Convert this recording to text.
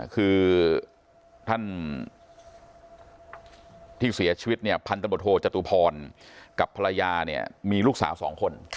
คือท่านที่เสียชีวิตเนี่ยพันธบทโทจตุพรกับภรรยาเนี่ยมีลูกสาว๒คน